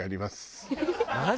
マジ？